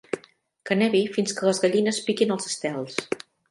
Que nevi fins que les gallines piquin els estels.